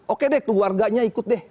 oke deh keluarganya ikut deh